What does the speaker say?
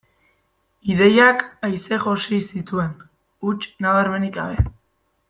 Ideiak aise josi zituen, huts nabarmenik gabe.